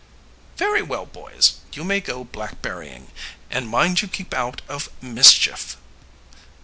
"Very well; boys, you may go blackberrying. And mind you keep out of mischief."